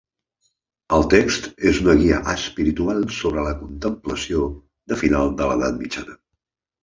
El text és una guia espiritual sobre la contemplació de final de l'Edat mitjana.